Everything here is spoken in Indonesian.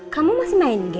kamu masih main game